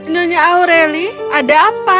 nyonya aureli ada apa